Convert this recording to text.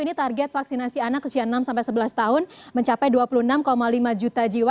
ini target vaksinasi anak usia enam sebelas tahun mencapai dua puluh enam lima juta jiwa